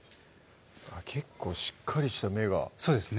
結構しっかりした芽がそうですね